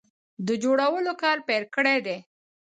د جوړولو کار پیل کړی دی